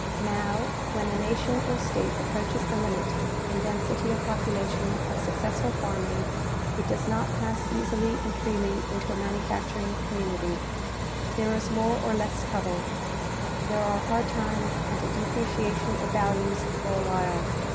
Now, Avhen a nation or state approaches the limit in density of population of successful farming it does not pass easily and freely into a manufacturing community. There is more or less trouble. There are hard times and a depreciation of values for a while.